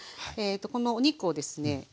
このお肉をですね